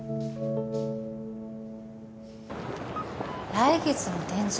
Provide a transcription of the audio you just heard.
来月の展示